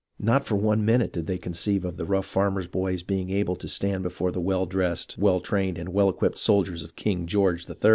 Not for one minute did they con ceive of the rough farmer boys being able to stand before the well dressed, well trained, and well equipped soldiers of King George HI.